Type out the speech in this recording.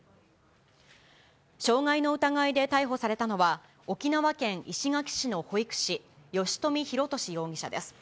傷害の疑いで逮捕されたのは、沖縄県石垣市の保育士、吉富弘敏容疑者です。